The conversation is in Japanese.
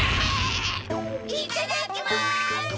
いただきます！